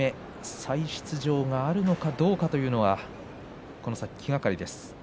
再出場があるかどうかというのはこの先、気がかりです。